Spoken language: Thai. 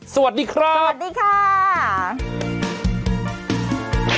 สวัสดีครับ